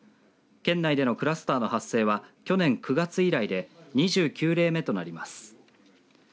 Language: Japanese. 県内でのクラスターの発生は去年９月以来で２９例目となります。